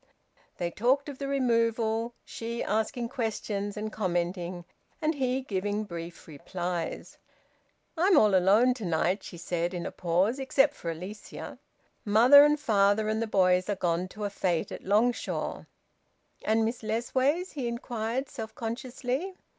They talked of the removal, she asking questions and commenting, and he giving brief replies. "I'm all alone to night," she said, in a pause, "except for Alicia. Father and mother and the boys are gone to a fete at Longshaw." "And Miss Lessways?" he inquired self consciously.